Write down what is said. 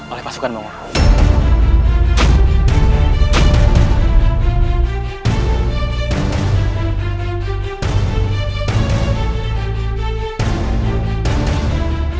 oleh pasukan mongol